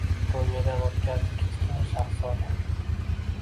ko‘nglidan o‘tkazdi Kichkina shahzoda